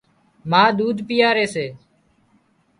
ما ۮوڌ پيئاري سي